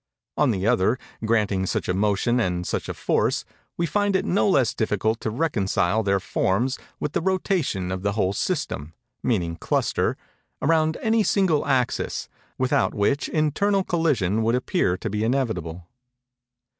On the other, granting such a motion and such a force, we find it no less difficult to reconcile their forms with the rotation of the whole system [meaning cluster] around any single axis, without which internal collision would appear to be inevitable."